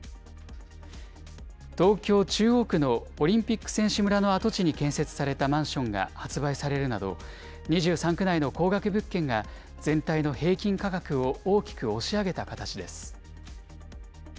東京・中央区のオリンピック選手村の跡地に建設されたマンションが発売されるなど、２３区内の高額物件が、全体の平均価格を大きく押し上げた形です。